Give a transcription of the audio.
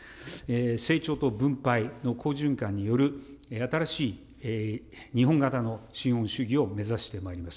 成長と分配の好循環による、新しい日本型の資本主義を目指してまいります。